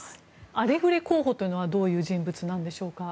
アレグレ候補というのはどういう人物なんでしょうか。